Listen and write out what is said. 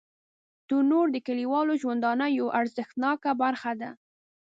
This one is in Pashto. تنور د کلیوالو ژوندانه یوه ارزښتناکه برخه ده